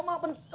ma kebeneran ma